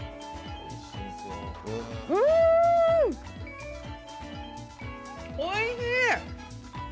うーん、おいしい！